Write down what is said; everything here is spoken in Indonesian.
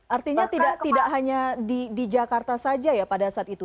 artinya tidak hanya di jakarta saja ya pada saat itu